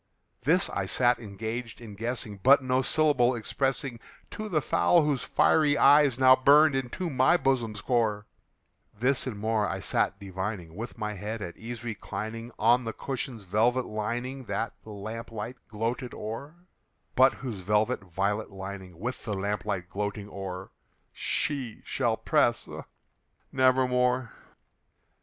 This I sat engaged in guessing, but no syllable expressing To the fowl whose fiery eyes now burned into my bosom's core; This and more I sat divining, with my head at ease reclining On the cushion's velvet lining that the lamp light gloated o'er, But whose velvet violet lining with the lamp light gloating o'er, She shall press, ah, nevermore!